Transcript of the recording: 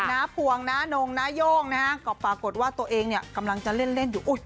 น้าภวงน้านงน้าโย่งนะฮะก็ปรากฏว่าตัวเองกำลังจะเล่นอยู่